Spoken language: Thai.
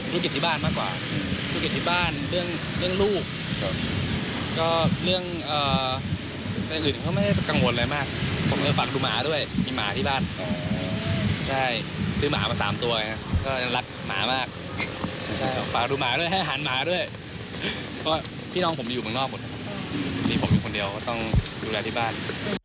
พี่น้องผมอยู่ข้างนอกชีวิตผมอยู่คนเดียวก็ต้องดูแลที่บ้าน